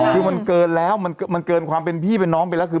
คือมันเกินแล้วมันเกินความเป็นพี่เป็นน้องไปแล้วคือ